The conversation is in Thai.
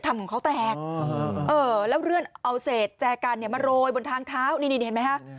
ของเขาแตกแล้วเลื่อนเอาเศษแจกันเนี่ยมาโรยบนทางเท้านี่เห็นไหมฮะ